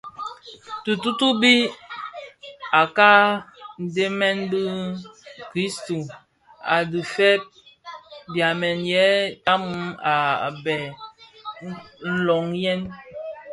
Dhitutubi di ka dhembèn bi- kristus a dhifeg byamèn yë tannum a bheg nloghèn.